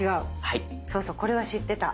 そうそうこれは知ってた。